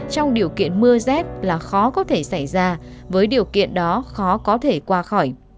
trong điều kiện mưa rét là khó có thể xảy ra với điều kiện đó khó có thể qua khỏi